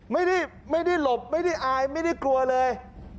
ไม่ได้หลบไม่ได้อายไม่ได้กลัวเลย